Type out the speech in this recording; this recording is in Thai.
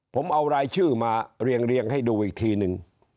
ผมเอารายชื่อมาเรียงให้ดูอีกทีนึง